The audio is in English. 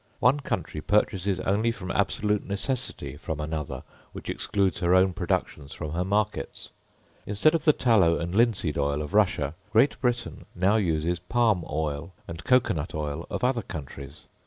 One country purchases only from absolute necessity from another, which excludes her own productions from her markets. Instead of the tallow and linseed oil of Russia, Great Britain now uses palm oil and cocoa nut oil of other countries.